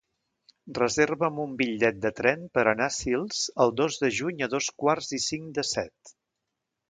Reserva'm un bitllet de tren per anar a Sils el dos de juny a dos quarts i cinc de set.